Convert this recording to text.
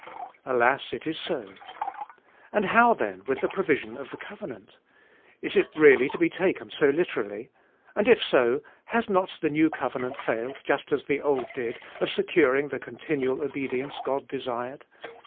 Alas, it is so. And how, then, with the provision of the covenant ? Is it really to be taken so literally? And if so, has not the new covenant failed just as the old did, of securing the continual obedience God desired